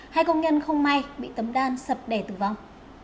hai công nhân không may bị tấm đan sập đẻ tử vong